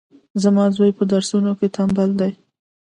زما زوی پهدرسونو کي ټمبل دی